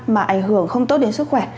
mà ảnh hưởng không tốt đến sức khỏe